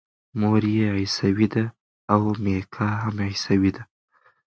مور یې عیسویه ده او میکا هم عیسوی دی.